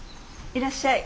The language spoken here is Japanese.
いらっしゃい。